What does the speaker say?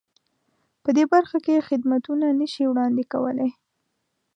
په دې برخه کې خدمتونه نه شي وړاندې کولای.